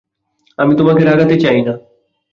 আমি তোমাকে রাগাতে চাই না।